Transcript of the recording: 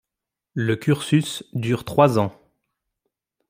Le cursus dure trois ans.